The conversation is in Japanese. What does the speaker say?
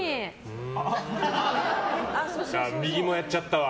右もやっちゃったわ。